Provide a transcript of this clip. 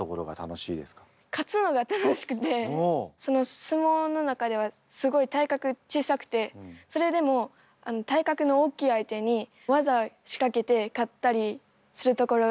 改めてその相撲の中ではすごい体格小さくてそれでも体格の大きい相手に技仕掛けて勝ったりするところが楽しくて。